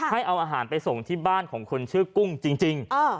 ให้เอาอาหารไปส่งที่บ้านของคนชื่อกุ้งจริง